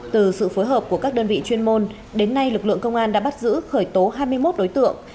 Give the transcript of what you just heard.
từ sự phối hợp của các đơn vị chuyên môn đến nay lực lượng công an đã bắt giữ khởi tố hai mươi một đối tượng